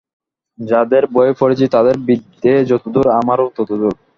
যাদের বই পড়েছি তাদের বিদ্যে যতদূর আমারও ততদূর!